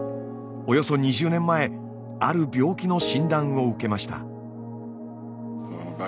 およそ２０年前ある病気の診断を受けました。